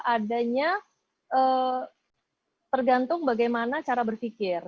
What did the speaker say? adanya tergantung bagaimana cara berpikir